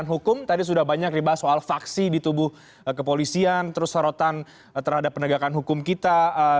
penegakan hukum tadi sudah banyak dibahas soal vaksi di tubuh kepolisian terus sorotan terhadap penegakan hukum kita